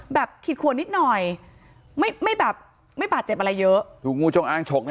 แบบขีดขัวนิดหน่อยไม่แบบไม่บาดเจ็บอะไรเยอะถูกงูจงอางโชก